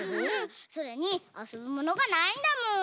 それにあそぶものがないんだもん。